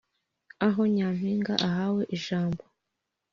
aho nyampinga ahawe ijambo